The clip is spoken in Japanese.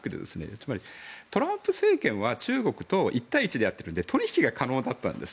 つまり、トランプ政権は中国と１対１でやっているので取引可能だったんです。